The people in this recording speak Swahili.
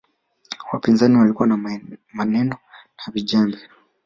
wapinzani walikuwa na maneno na vijembe